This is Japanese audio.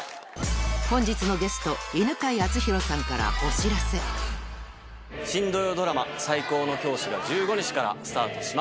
本日のゲスト新土曜ドラマ『最高の教師』が１５日からスタートします。